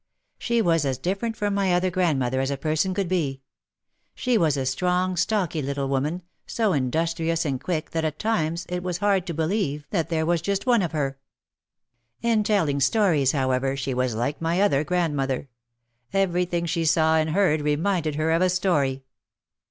She was as different from my other grandmother as a person could be. She was a strong, stocky little woman, so industrious and quick that at times it was hard to 48 OUT OF THE SHADOW believe that there was just one of her. In telling stories, however, she was like my other grandmother. Every thing she saw and heard reminded her of a story.